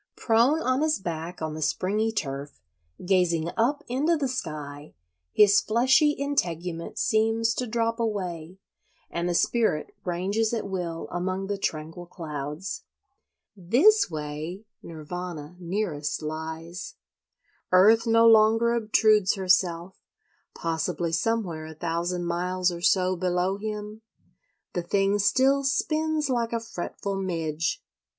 Prone on his back on the springy turf, gazing up into the sky, his fleshy integument seems to drop away, and the spirit ranges at will among the tranquil clouds. This way Nirvana nearest lies. Earth no longer obtrudes herself; possibly somewhere a thousand miles or so below him the thing still "spins like a fretful midge."